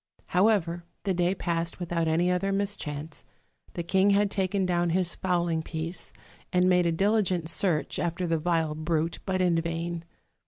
"However, the day passed without any other mis chance; the king had taken down his fowling piece, and made a diligent search after the vile brute, but in vain!